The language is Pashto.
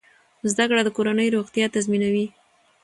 زده کړه د کورنۍ روغتیا تضمینوي۔